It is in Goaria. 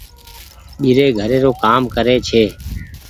ٻيري گهري رو ڪآم ڪري ڇي۔